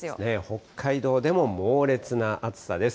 北海道でも猛烈な暑さです。